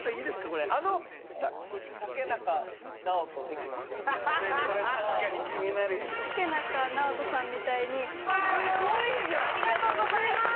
それ確かに気になる竹中直人さんみたいにすごいじゃんありがとうございます